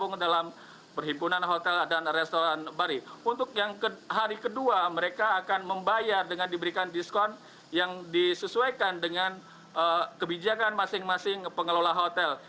untuk yang hari kedua mereka akan membayar dengan diberikan diskon yang disesuaikan dengan kebijakan masing masing pengelola hotel